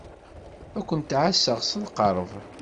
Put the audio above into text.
Ad ken-ɛasseɣ s lqerb.